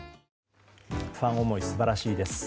ファン思い素晴らしいです。